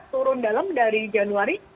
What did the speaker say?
turun dalam dari januari